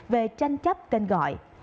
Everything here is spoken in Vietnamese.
về tranh chấp tên gọi